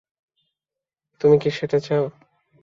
তুমি কি সেটা চাও?